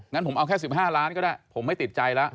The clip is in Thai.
งั้นผมเอาแค่๑๕ล้านก็ได้ผมไม่ติดใจแล้ว